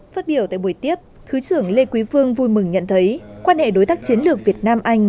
phát biểu tại buổi tiếp thứ trưởng lê quý vương vui mừng nhận thấy quan hệ đối tác chiến lược việt nam anh